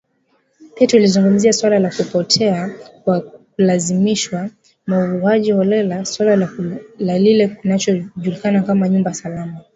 Pia tulizungumzia suala la kupotea kwa kulazimishwa, mauaji holela, suala la kile kinachojulikana kama “nyumba salama”.